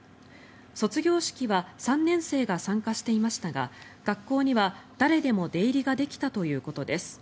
卒業式は３年生が参加していましたが学校には誰でも出入りができたということです。